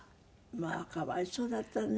まあ可哀想だったね。